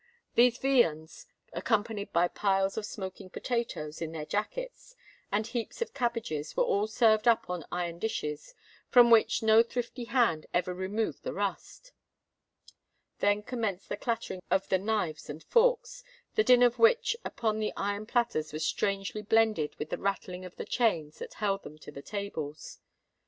These viands, accompanied by piles of smoking potatoes "in their jackets" and heaps of cabbages, were all served up on iron dishes, from which no thrifty hand ever removed the rust. Then commenced the clattering of the knives and forks, the din of which upon the iron platters was strangely blended with the rattling of the chains that held them to the tables.